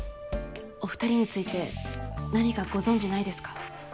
お２人について何かご存じないですか？